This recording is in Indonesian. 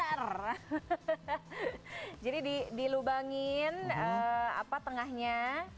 hahaha jadi dilubangin tengahnya